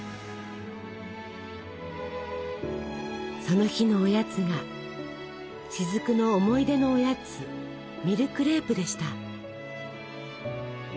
その日のおやつが雫の思い出のおやつミルクレープでした。